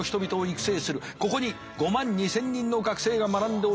ここに５万２，０００人の学生が学んでおります。